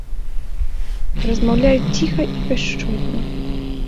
Размаўляюць ціха і пяшчотна.